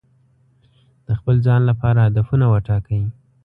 د خپل ځان لپاره هدفونه وټاکئ.